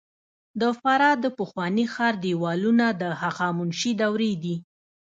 د فراه د پخواني ښار دیوالونه د هخامنشي دورې دي